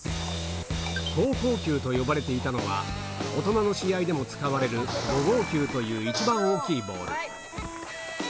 高校球と呼ばれていたのは、大人の試合でも使われる、５号球という一番大きいボール。